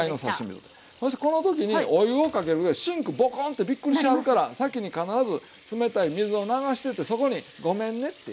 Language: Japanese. そしてこの時にお湯をかけるとシンクボコンってびっくりしはるから先に必ず冷たい水を流しててそこにごめんねって。